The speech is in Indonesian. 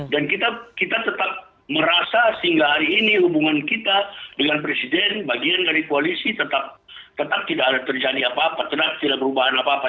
kita tetap merasa sehingga hari ini hubungan kita dengan presiden bagian dari koalisi tetap tidak ada terjadi apa apa tetap tidak perubahan apa apa